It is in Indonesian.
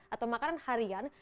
atau makanan harian